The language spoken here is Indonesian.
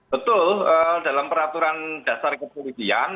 betul dalam peraturan dasar kepolisian